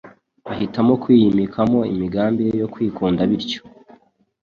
ahitamo kwiyimikamo imigambi ye yo kwikunda, bityo,